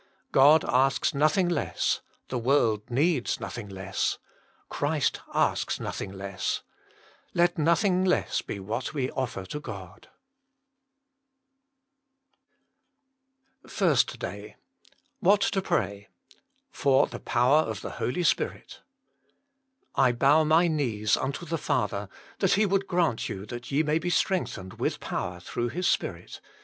God asks nothing less ; the world needs nothing less ; Christ asks nothing less; let nothing less be what we oiler to God. THE MINISTRY OF INTERCESSION FIRST DAY WHAT TO PRAY. Jor lift ^lotofr of Ihe "Solp Spirit " I bow my knees unto the Father, that He would grant yon that ye may be strengthened with power through His Spirit."